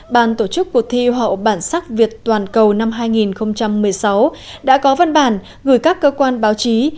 bàn tổ chức cuộc thi hậu bản sắc việt toàn cầu năm hai nghìn một mươi sáu đã có văn bản gửi các cơ quan báo chí